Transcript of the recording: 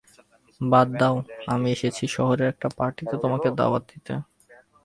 বাদ দাও, আমি এসেছি শহরের একটা পার্টিতে তোমাকে দাওয়াত দিতে।